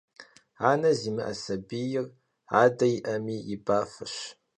Ane zimı'e sabiyr, ade yi'emi, yibafeş.